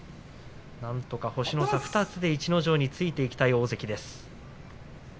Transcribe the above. なんとか星の差２つで逸ノ城についていきたい大関です。